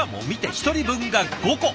１人分が５個。